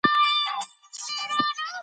انا خپل جاینماز په ځمکه هوار کړ.